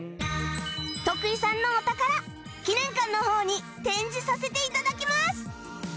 徳井さんのお宝記念館の方に展示させて頂きます